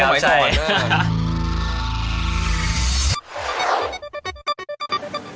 ใช่ครับใช่ครับ